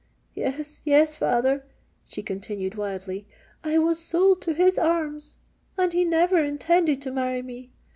Yes—yes—father," she continued wildly, "I was sold to his arms,—and he never intended to marry me!